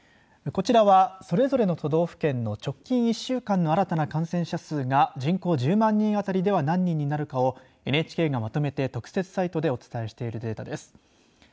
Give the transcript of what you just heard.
こちらは、それぞれの都道府県の直近１週間の新たな感染者数が人口１０万人あたりでは何人になるかをＮＨＫがまとめて特設サイトでお伝えしているデータです。